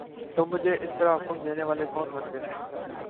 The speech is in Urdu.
تم مجھے اس طرح حکم دینے والے کون ہوتے ہو؟